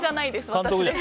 私です。